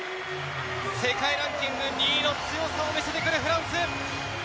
世界ランキング２位の強さを見せて来るフランス。